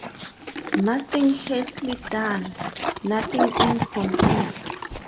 Nothing hastily done; nothing incomplete.